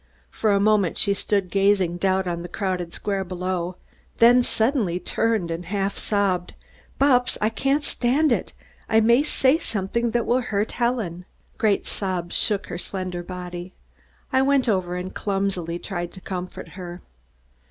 For a moment she stood gazing down on the crowded square below, then suddenly turned and half sobbed: "Bupps, I can't stand it! I may say something that will hurt Helen." Great sobs shook her slender body. I went over and clumsily tried to comfort her.